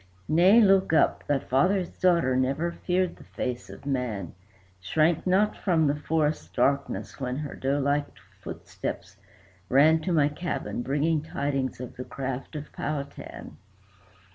"Nay, look up. Thy father's daughter never feared the face of man, Shrank not from the forest darkness when her doe like footsteps ran To my cabin, bringing tidings of the craft of Powhatan."